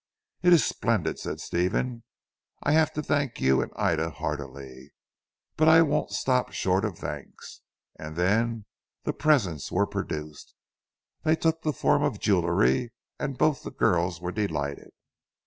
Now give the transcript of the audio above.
"It is splendid," said Stephen, "I have to thank you and Ida heartily. But I won't stop short at thanks." And then the presents were produced. They took the form of jewellery and both the girls were delighted.